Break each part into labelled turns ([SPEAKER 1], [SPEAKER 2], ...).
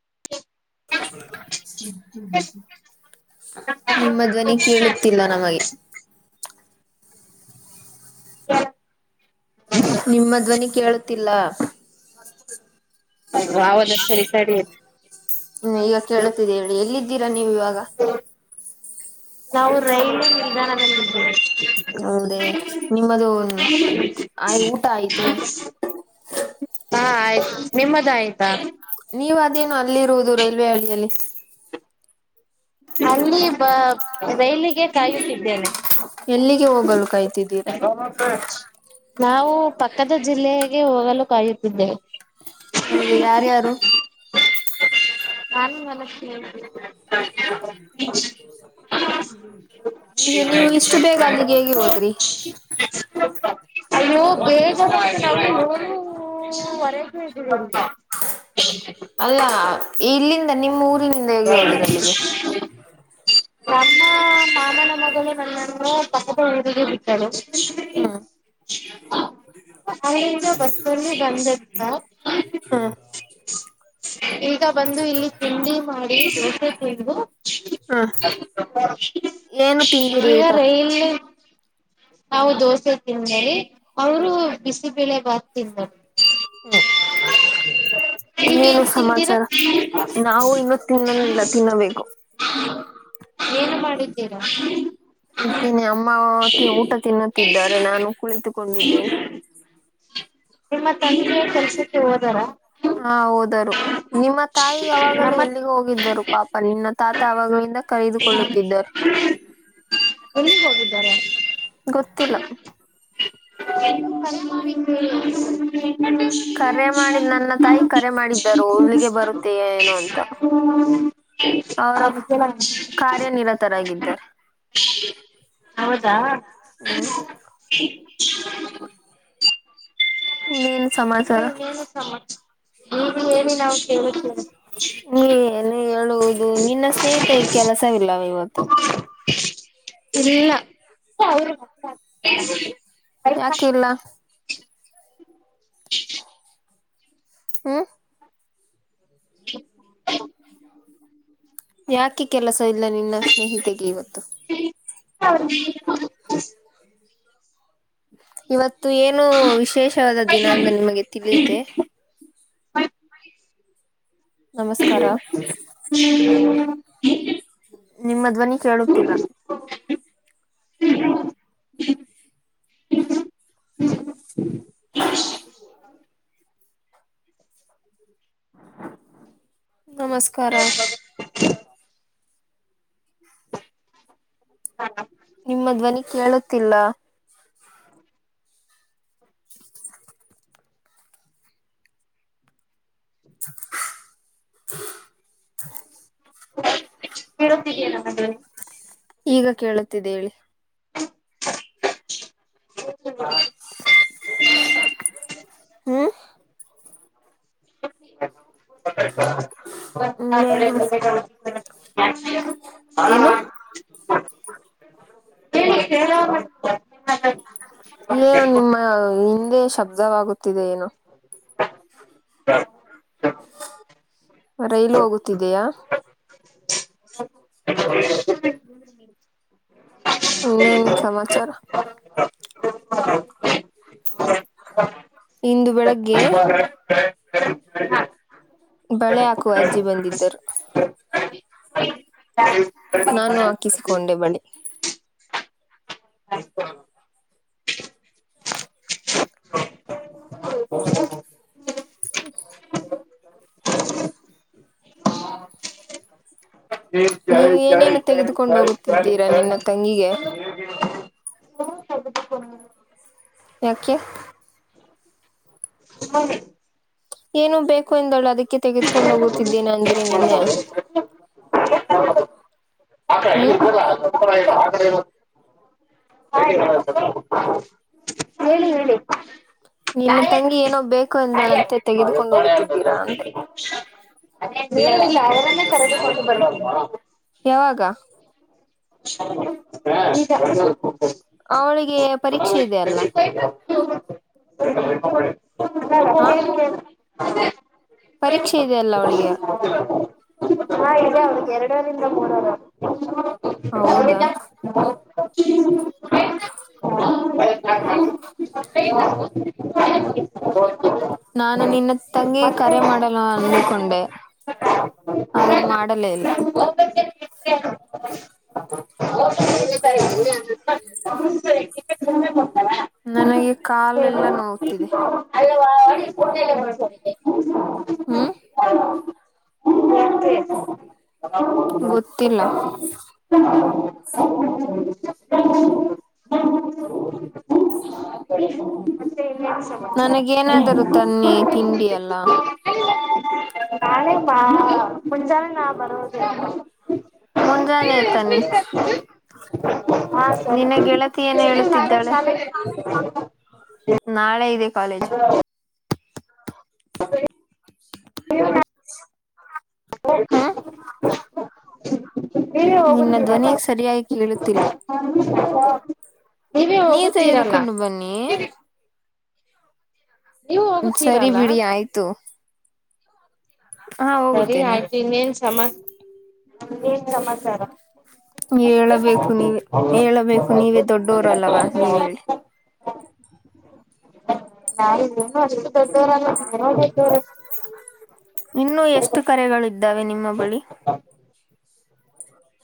[SPEAKER 1] [unintelligible]
[SPEAKER 2] ನಿಮ್ಮ ಧ್ವನಿ ಕೇಳುತ್ತಿಲ್ಲ ನಮಗೆ.
[SPEAKER 1] ಹೌದ
[SPEAKER 2] ನಿಮ್ಮ ಧ್ವನಿ ಕೇಳುತ್ತಿಲ್ಲ.
[SPEAKER 1] [unintelligible] ಸರಿ ತಡಿ.
[SPEAKER 2] [unintelligible] ಇವಾಗ ಕೇಳುತ್ತಿದೆ ಹೇಳಿ ಎಲ್ಲಿದ್ದೀರಾ ನೀವು ಇವಾಗ.
[SPEAKER 1] ನಾವು ರೈಲ್ವೆ ನಿಲ್ದಾಣ [inaudible]
[SPEAKER 2] ಹೌದೇ ನಿಮ್ಮದು ಆಯ್ ಊಟ ಆಯ್ತೆ.
[SPEAKER 1] ಹಾ ಆಯ್ತು ನಿಮ್ಮದ ಆಯ್ತಾ.
[SPEAKER 2] ನೀವು ಅದೇನು ಅಲ್ಲಿರುವುದು ರೈಲ್ವೆ ಹಳ್ಳಿಯಲ್ಲಿ.
[SPEAKER 1] ಅಲ್ಲಿ ಬ ರೈಲಿಗೆ ಕಾಯುತ್ತಿದ್ದೇನೆ.
[SPEAKER 2] ಎಲ್ಲಿಗೆ ಹೋಗಲು ಕಾಯ್ತಿದ್ದೀರಾ.
[SPEAKER 1] ನಾವು ಪಕ್ಕದ ಜಿಲ್ಲೆಗೆ ಹೋಗಲು ಕಾಯುತ್ತಿದ್ದೆವೆ.
[SPEAKER 2] ಹೌದ ಯಾರ್ಯಾರು.
[SPEAKER 1] ನಾನು ನನ್ನ ಸ್ನೇಹಿತೆ [inaudible]
[SPEAKER 2] ಈಗ ನೀವು ಇಷ್ಟು ಬೇಗ ಅಲ್ಲಿಗೆ ಹೇಗಿ ಹೋದ್ರಿ.
[SPEAKER 1] ಅಯ್ಯೋ ಬೇಗ [unintelligible]
[SPEAKER 2] [unintelligible]
[SPEAKER 1] [unintelligible] ಹೊರೆಯಿಂದ ಇದೀವಿ ಇಲ್ಲಿ.
[SPEAKER 2] ಅಲ್ಲ ಇಲ್ಲಿಂದ ನಿಮ್ಮ ಊರ್
[SPEAKER 1] [unintelligible] [unintelligible] ಹಲೋ [unintelligible]
[SPEAKER 2] ಹ್ಮ್
[SPEAKER 1] ಅಲ್ಲಿಂದ ಬಸ್ಸಅಲ್ಲಿ ಬಂದೆ. [unintelligible]
[SPEAKER 2] ಹ್ಮ್
[SPEAKER 1] ಈಗ ಬಂದು ಇಲ್ಲಿ ತಿಂಡಿ ಮಾಡಿ ದೋಸೆ ತಿಂದು
[SPEAKER 2] ಹ್ಮ್
[SPEAKER 1] [unintelligible]
[SPEAKER 2] ಏನು ತಿಂದಿರಿ ಊಟ
[SPEAKER 1] ಇಲ್ಲಿ ನಾವು ದೋಸೆ ತಿಂದೇವಿ ಅವರು
[SPEAKER 2] ಹ್ಮ್
[SPEAKER 1] ಬಿಸಿಬೆಲೆಬಾತ್ ತಿಂದರು
[SPEAKER 2] ಹ್ಮ್
[SPEAKER 1] [unintelligible] ನೀವು
[SPEAKER 2] ಇನ್ನೇನು
[SPEAKER 1] ಏನ್
[SPEAKER 2] ಸಮಾಚಾರ ನಾವು
[SPEAKER 1] [unintelligible]
[SPEAKER 2] ಇನ್ನೂ ತಿನ್ನಲಿಲ್ಲ ತಿನ್ನಬೇಕು
[SPEAKER 1] ಏನು ಮಾಡಿದ್ದೀರಾ
[SPEAKER 2] ಇದ್ದೀನಿ ಅಮ್ಮ ಊಟ [unintelligible] ತಿನ್ನುತ್ತಿದ್ದಾರೆ ನಾನು ಕುಳಿತುಕೊಂಡಿದ್ದೇನೆ.
[SPEAKER 1] ನಿಮ್ಮ ತಂದೆ ಕೆಲ್ಸಕ್ಕೆ ಹೋದಾರ.
[SPEAKER 2] ಹಾ ಹೋದರು ನಿಮ್ಮ ತಾಯಿ ಯಾವಾಗಲೂ
[SPEAKER 1] ನಮ್ಮ
[SPEAKER 2] ಎಲ್ಲಿಗೆ ಹೋಗು ಇದರು ಪಾಪ ನಿನ್ನ ತಾತ ಅವಾಗಿಂದ ಕರೀದುಕೊಳ್ಳುತ್ತಿದ್ದರು.
[SPEAKER 1] ಎಲ್ಲಿಗ್ ಹೋಗಿದ್ದಾರೆ.
[SPEAKER 2] ಗೊತ್ತಿಲ್ಲ.
[SPEAKER 1] [unintelligible]
[SPEAKER 2] ಕರೆ ಮಾಡಿದ್ ನನ್ನ ತಾಯಿ ಕರೆ ಮಾಡಿದ್ದರು ಉಲ್ಲಿಗೆ ಬರುತ್ತೆ ಏನು ಅಂತ ಅವರ ಕಾರ್ಯನಿರತರಾಗಿದ್ದಾರೆ
[SPEAKER 1] ಹೌದಾ
[SPEAKER 2] ಹ್ಮ್ ನೀ
[SPEAKER 1] ಮತ್ತೆನು ಸಮ ನೀ ಹೇಳಿ ನಾವು ಕೇಳುತ್ತೇವೆ
[SPEAKER 2] ಏಏನು ಹೇಳುವುದು ನಿನ್ನ ಸ್ನೇಹಿತ ಕೆಲಸವಿಲ್ಲವ ಇವತ್ತು
[SPEAKER 1] ಇಲ್ಲ ಅವ
[SPEAKER 2] ಯಾಕಿಲ್ಲ ಹ
[SPEAKER 1] [unintelligible]
[SPEAKER 2] ಯಾಕೆ ಕೆಲಸ ಇಲ್ಲ ನಿನ್ನ ಸ್ನೇಹಿಿತಗೆ ಇವತ್ತು
[SPEAKER 1] ಹೌ
[SPEAKER 2] ಇವತ್ತು ಏನು ವಿಶೇಷವಾದ ದಿನ ಅಂದ್ರೆ ನಿಮಗೆ ತಿಳಿತೆ ನಮಸ್ಕಾರ
[SPEAKER 1] ಹ
[SPEAKER 2] ನಿಮ್ಮ ಧ್ವನಿ ಕೇಳುತ್ತಿಲ್ಲ
[SPEAKER 1] [unintelligible] ಇ
[SPEAKER 2] ನಮಸ್ಕಾರ
[SPEAKER 1] ಹ ಹಾ
[SPEAKER 2] ನಿಮ್ಮ ಧ್ವನಿ ಕೇಳುತ್ತಿಲ್ಲ
[SPEAKER 1] [unintelligible]
[SPEAKER 2] [unintelligible] [unintelligible]
[SPEAKER 1] ಕೇಳುತ್ತಿದಲ್ಲ ಮದುವೆ
[SPEAKER 2] ಈಗ ಕೇಳುತ್ತಿದೆ ಹೇಳಿ
[SPEAKER 1] [unintelligible]
[SPEAKER 2] ಹ್ಮ
[SPEAKER 1] [unintelligible]
[SPEAKER 2] ಹ್ಮ
[SPEAKER 1] [unintelligible]
[SPEAKER 2] ಏನು ಏನು ನಿಮ್ಮ ಹಿಂದೆ ಶಬ್ದವಾಗುತ್ತಿದೆ ಏನು
[SPEAKER 1] ಹ ಹ
[SPEAKER 2] ರೈಲು ಹೋಗುತ್ತಿದೆಯಾ ಇನ್ನೇನ್ ಸಮಾಚಾರ ಇಂದು ಬೆಳಗ್ಗೆ
[SPEAKER 1] ಹ
[SPEAKER 2] ಬಳೆ ಹಾಕುವ ಅಜ್ಜಿ ಬಂದಿದ್ದರು ನಾನು ಹಾಕಿಸಿಕೊಂಡೆ ಬಳಿ
[SPEAKER 1] ಅಯ್ತ
[SPEAKER 2] ಹ ನೀವ ಏನೇನು ತೆಗೆದುಕೊಂಡು ಹೋಗುತ್ತಿದ್ದೀರಾ ನಿನ್ನ ತಂಗಿಗೆ
[SPEAKER 1] [inaudible]
[SPEAKER 2] ಯಾಕೆ.
[SPEAKER 1] [inaudible]
[SPEAKER 2] ಏನೊ ಬೇಕು ಅಂದಳ್ ಅದಿಕ್ಕೆ ತೆಗೆದುಕೊಂಡು ಹೋಗುತ್ತಿದ್ದೇನೆ ಅಂದಿರಿ ನೆನ್ನೆ. ಹ್ಮ್.
[SPEAKER 1] [inaudible] [inaudible] ಹೇಳಿ ಹೇಳಿ.
[SPEAKER 2] ನಿಮ್ಮ ತಂಗಿ ಏನೋ ಬೇಕು ಎಂದಳಂತೆ ತೆಗೆದುಕೊಂಡು ಹೋಗುತ್ತಿದ್ದೀರಾ ಅಂದೆ.
[SPEAKER 1] ಅವರನ್ನು ಕರೆದುಕೊಂಡು ಬಂದದ.
[SPEAKER 2] ಯಾವಗ.
[SPEAKER 1] [inaudible] [inaudible]
[SPEAKER 2] ಅವ್ಳಿಗೆ ಪರೀಕ್ಷೆ ಇದೆ ಅಲ್ಲ. ಹಾ. ಪರೀಕ್ಷೆ ಇದೆಯಲ್ಲ ಅವ್ಳಿಗೆ.
[SPEAKER 1] [inaudible] ಹಾ ಇದೆ ಅವ್ರ್ಗೆ ಎರಡವರಿಂದ ಮೂರವರು. [inaudible]
[SPEAKER 2] ಹೌದ. [inaudible]
[SPEAKER 1] [inaudible]
[SPEAKER 2] ನಾನು ನಿನ್ನ ತಂಗಿಗೆ ಕರೆ ಮಾಡನ ಅಂದುಕೊಂಡೆ. ಹಾದ್ರೆ ಮಾಡಲೇ ಇಲ್ಲ. [inaudible] ನನಗೆ ಕಾಲೆಲ್ಲಾ ನೋವ್ತಿದೆ. [inaudible]
[SPEAKER 1] ಹ್ಮ್ ಮತ್ತೆ.
[SPEAKER 2] ಗೊತ್ತಿಲ್ಲ.
[SPEAKER 1] ಮತ್ತೆ ಇನ್ನೇನ್ ಸಮಾಚಾರ
[SPEAKER 2] ನನಗೇನಾದರೂ ತನ್ನಿ ತಿಂಡಿ ಎಲ್ಲ.
[SPEAKER 1] ನಾಳೆ ಬಾ. ಮುಂಜಾನೆನ ಬಾ. [inaudible]
[SPEAKER 2] ಮುಂಜಾನೆ ತನ್ನಿ.
[SPEAKER 1] ಹಾ
[SPEAKER 2] ನಿನ್ನ
[SPEAKER 1] ಸರಿ
[SPEAKER 2] ಗೆಳತಿ ಏನು ಹೇಳುತ್ತಿದ್ದಾಳೆ. ನಾಳೆ ಇದೆ ಕಾಲೇಜು. ಹಾ.
[SPEAKER 1] ನೀವೇ
[SPEAKER 2] ನಿನ್ನ
[SPEAKER 1] ಹೋಗುತ್ತೀರಲ್ಲ
[SPEAKER 2] ಧ್ವನಿ ಸರಿಯಾಗಿ ಕೇಳುತ್ತಿಲ್ಲ.
[SPEAKER 1] [inaudible] ನೀವೇ
[SPEAKER 2] ನೀವ್
[SPEAKER 1] ಹೋಗುತ್ತೀರಲ್ಲ
[SPEAKER 2] ತೆಗೆದುಕೊಂಡು ಬನ್ನಿ.
[SPEAKER 1] ನೀವು
[SPEAKER 2] ಸರಿ
[SPEAKER 1] ಹೋಗುತ್ತೀರಲ್ಲ
[SPEAKER 2] ಬಿಡಿ ಆಯ್ತು. ಹಾ
[SPEAKER 1] ಸರಿ
[SPEAKER 2] ಹೋಗುತ್ತೇನೆ
[SPEAKER 1] ಆಯ್ತು ಇನ್ನೇನ್ ಸಮಾನ್ ನ್ ಸಮಾಚಾರ.
[SPEAKER 2] ಹೇಳಬೇಕು ನೀವೆ ಹೇಳಬೇಕು ನೀವೆ ದೊಡ್ಡೋರಲ್ಲವಾ ನೀವ್ ಹೇಳಿ.
[SPEAKER 1] ನಾವ್ ನಿಮ್ಮಷ್ಟು ದೊಡ್ಡೋರಲ್ಲ. [unintelligible]
[SPEAKER 2] ಇನ್ನು ಎಷ್ಟು ಕರೆಗಳಿದ್ದಾವೆ ನಿಮ್ಮ ಬಳಿ.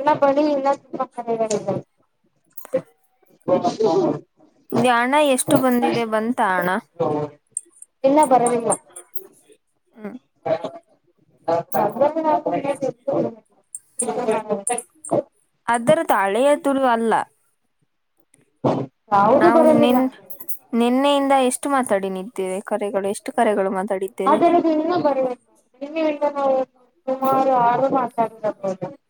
[SPEAKER 1] ನನ್ನ ಬಾಳಿ ಇನ್ನ ತುಂಬ ಕರೆಗಳಿದ್ದವೇ. ಹ [unintelligible]
[SPEAKER 2] ಹಣ ಎಷ್ಟು ಬಂದಿದೆ ಬಂತ ಹಣ
[SPEAKER 1] ಇಲ್ಲ ಬರದಿಲ್ಲ
[SPEAKER 2] ಹ್ಮ [unintelligible]
[SPEAKER 1] ನಾವು [unintelligible] ಹ [unintelligible]
[SPEAKER 2] ಅದರ ತಳೆಯ ತುರು ಅಲ್ಲ
[SPEAKER 1] ಯಾವುದು
[SPEAKER 2] ನಾವು
[SPEAKER 1] ಬರಲಿಲ್ಲ
[SPEAKER 2] ನಿನ್ ನಿನ್ನೆಯಿಂದ ಎಷ್ಟು ಮಾತಾಡಿ ನಿದ್ದೇವೆ ಕರೆಗಳು ಎಷ್ಟು ಕರೆಗಳು ಮಾ
[SPEAKER 1] ಅದ [unintelligible] ಇನ್ನು ಬರಿಲ್ಲ ಇನ್ನಲ್ಲ ನಾವು ಸುಮಾರು ಯರು ಮಾತಾಡರ್ಬೋುದು [unintelligible]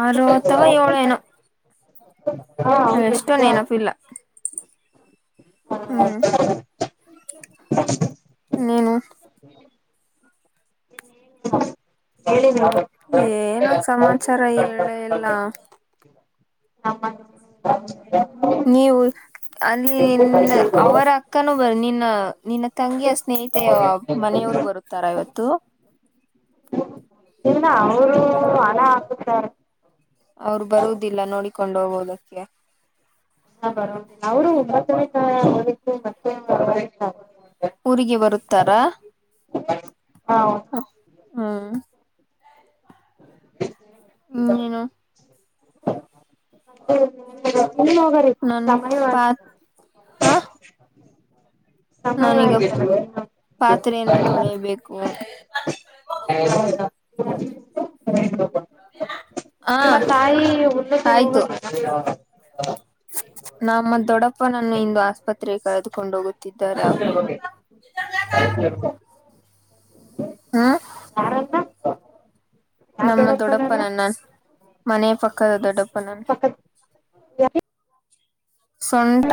[SPEAKER 2] ಆರು ಅಥವಾ ಏಳು ಏನೋ
[SPEAKER 1] ಹಾ ಹೌದು
[SPEAKER 2] ಎಷ್ಟೋ
[SPEAKER 1] ನಿಜ
[SPEAKER 2] ನೆನಪಿಲ್ಲ ಹ್ಮ್ ಇನ್ನೇನು
[SPEAKER 1] ಹೇಳ
[SPEAKER 2] ಏನ ಸಮಾಚಾರ ಹೇಳ ಎಲ್ಲ
[SPEAKER 1] ಹ [unintelligible] ಹ
[SPEAKER 2] ನೀವು ಅಲ್ಲಿ ನಿ ಅವರ [unintelligible] ಅಕ್ಕನ ಬರ ನಿನ್ನ ನಿನ್ನ ತಂಗಿಯ ಆ ಸ್ನೇಹಿತೆಯ ಮನೆಯವರು ಬರುತ್ತಾರ ಇವತ್ತು [unintelligible]
[SPEAKER 1] ಇಲ್ಲ ಅವರು ಹಣ ಹಾಕುತ್ತ
[SPEAKER 2] ಅವ್ರು ಬರುದಿಲ್ಲ ನೋಡಿಕೊಂಡು ಹೋಗೋದಕ್ಕೆ
[SPEAKER 1] ಬ ಅವರು ಒಂಬತ್ತನೇ ತ ಹಓದಿತ್ತು ಮತ್ತೆವರೆ [unintelligible]
[SPEAKER 2] ಊರಿಗೆ ಬರುತ್ತಾರಾ
[SPEAKER 1] ಹಾ
[SPEAKER 2] ಹ್ಮ್ ಹ್ಮ್ ನೀಏನು
[SPEAKER 1] ಅ ಹಗ
[SPEAKER 2] ನನ್ ಪತ್ ಹ ನಾನೀಗ
[SPEAKER 1] ಸಮಯವಾಗಿತ್ತು
[SPEAKER 2] ಪಾತ್ರೆಯನ್ನು ತೊಳಬೇಕು
[SPEAKER 1] ಹ [unintelligible] ಹ
[SPEAKER 2] ಹ
[SPEAKER 1] ನಿಮ್ಮ ತಾಯಿ ಒಳ್ಳದ
[SPEAKER 2] ಆಯ್ತು
[SPEAKER 1] ಹೋಗದು
[SPEAKER 2] ನಮ್ಮ ದೊಡ್ಡಪ್ಪನನ್ನು ಇಂದು ಆಸ್ಪತ್ರೆಗೆ ಕಳದುಕೊಂಡ ಹೋಗುತ್ತಿದ್ದಾರ
[SPEAKER 1] ಆ
[SPEAKER 2] ಹ್ಮ
[SPEAKER 1] ಯಾರನ್ನ ಯಾವ
[SPEAKER 2] ನಮ್ಮ ದೊಡ್ಡಪ್ಪನ
[SPEAKER 1] ದೊಡ್ಡಪ್ಪನನ್ನ
[SPEAKER 2] ನನ್ ಮನೆಯ ಪಕ್ಕದ ದೊಡ್ಡಪ್ಪ ನನ್
[SPEAKER 1] ಪಕ್ಕದ
[SPEAKER 2] ಸೊಟ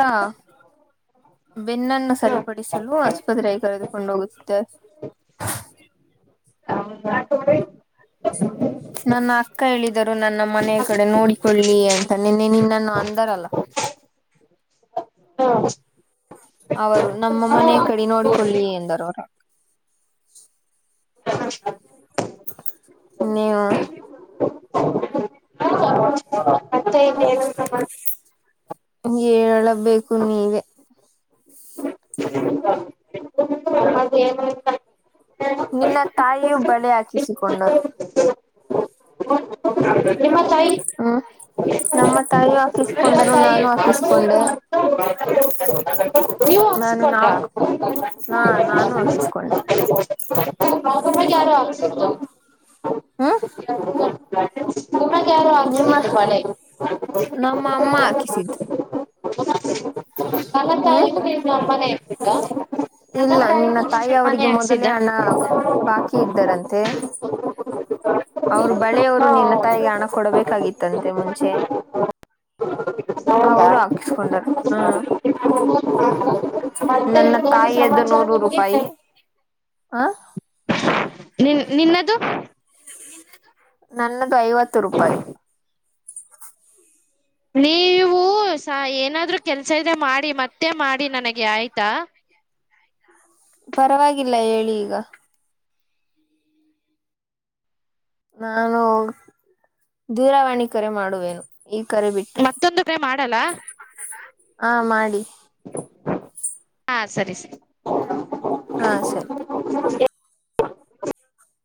[SPEAKER 2] ಬೆನ್ನನ್ನು ಸರಿಪಡಿಸಲು ಆಸ್ಪತ್ರೆಗೆ ಕರೆದುಕೊಂಡು ಹೋಗುತ್ತಿದ್ದ
[SPEAKER 1] ಹ [unintelligible] ಹ
[SPEAKER 2] ನನ್ನ ಅಕ್ಕ ಹೇಳಿದರು ನನ್ನ ಮನೆಯ ಕಡೆ ನೋಡಿಕೊಳ್ಳಿ ಅಂತ ನಿನ್ನೆ ನಿನ್ನನ್ನ ಅಂದಾರಲ್ಲ
[SPEAKER 1] ಹಾ
[SPEAKER 2] ಅವರು ನಮ್ಮ ಮನೆ ಕಡೆ ನೋಡಿಕೊಳ್ಳಿ ಎಂದರು ಅವ ನೀವು
[SPEAKER 1] ಸ [unintelligible]
[SPEAKER 2] ಗೆ ಏಳ ಬೇಕು ನೀವೆ
[SPEAKER 1] ಹ ಅ [inaudible]
[SPEAKER 2] ನಿನ್ನ ತಾಯಿಯು ಬಳೆ ಹಾಕಿಸಿಕೊಂಡರು
[SPEAKER 1] ನಿಮ್ಮ ತಾಯಿ
[SPEAKER 2] ಹ್ಮ್ ನಮ್ಮ ತಾಯಿಯಿ ಹಾಕಿಸಿಕೊಂಡರು ನಾನು ಹಾಕಿಸಿಕೊಂಡೆ
[SPEAKER 1] ಹ [inaudible]
[SPEAKER 2] ನಾನು ನಾಲ್ಕ್ು ಹಾ ನಾನು ಹಾಕಿಸ್ಕೊಂಡೆ
[SPEAKER 1] [unintelligible] [unintelligible] [inaudible]
[SPEAKER 2] ಹಾ
[SPEAKER 1] ಬ [inaudible]
[SPEAKER 2] ನಿಮ್ಮ ನಮ್ಮ ಅಮ್ಮ ಹಾಕಿಸಿದ್ದು
[SPEAKER 1] ಹ
[SPEAKER 2] ಹ್ಮ್
[SPEAKER 1] ಹಾಕ್ಸಿದ್ದ
[SPEAKER 2] ಇಲ್ಲ ನಿನ್ನ ತಾಯಿ
[SPEAKER 1] ಮನೆ
[SPEAKER 2] ಅವರಿಗೆ
[SPEAKER 1] ಹಾಕ್ಸಿದ್ದ
[SPEAKER 2] ಮೊದಲೇ ಹಣ ಬಾಕಿ ಇದ್ದಾರಂತೆ ಅವರು ಬಳೆಯವರು ನಿನ್ನ ತಾಯಿಗೆ ಹಣ ಕೊಡಬೇಕಾಗಿತ್ತಂತೆ ಮುಂಚೆ ಅವರು ಹಾಕಿಸಕೊಂಡರು ಹ್ಮ
[SPEAKER 1] ಮತ್ತೆ
[SPEAKER 2] ನನ್ನ
[SPEAKER 1] ಇನ್ನೇನು
[SPEAKER 2] ತಾಯಿಯದ್ದ
[SPEAKER 1] ಸಮಾಚಾರ
[SPEAKER 2] ನೂರು
[SPEAKER 1] ನಿಮ್ಗೆ
[SPEAKER 2] ರೂಪಾಯಿ ಹ
[SPEAKER 1] ನಿನ್ ನಿನ್ನದು
[SPEAKER 2] ನನ್ನದು ಐವತ್ತು ರೂಪಾಯಿ
[SPEAKER 1] ನೀವು ಸ ಏನಾದ್ರು ಕೆಲ್ಸ ಇದೆ ಮಾಡಿ ಮತ್ತೆ ಮಾಡಿ ನನಗೆ ಆಯ್ತಾ
[SPEAKER 2] ಪರವಾಗಿಲ್ಲ ಹೇಳಿ ಈಗ ನಾನು ದೂರವಾಣಿ ಕರೆ ಮಾಡುವೆನು ಈ ಕರೆ ಬಿಟ್ಟು
[SPEAKER 1] ಮತ್ತೆ ಮಾಡಲ್ಲ
[SPEAKER 2] ಹಾ ಮಾಡಿ
[SPEAKER 1] ಹಾ ಸರಿ ಸರಿ
[SPEAKER 2] ಹಾಂ ಸರಿ